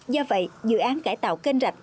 do vậy dự án cải tạo kênh rạch